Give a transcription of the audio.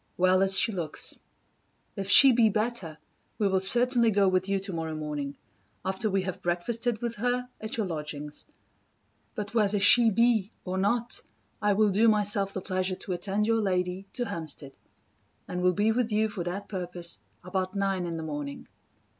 well as she looks. If she be better, we will certainly go with you tomorrow morning, after we have breakfasted with her, at your lodgings. But whether she be, or not, I will do myself the pleasure to attend your lady to Hampstead; and will be with you for that purpose about nine in the morning.